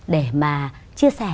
để mà chia sẻ